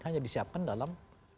hanya disiapkan dalam